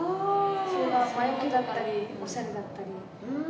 それが魔よけだったりおしゃれだったり。